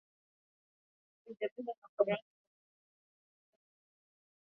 Uingereza na Ufaransa Mwaka elfumoja miatisa kumi na nane